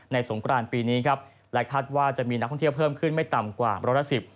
สงกรานปีนี้ครับและคาดว่าจะมีนักท่องเที่ยวเพิ่มขึ้นไม่ต่ำกว่าร้อยละสิบ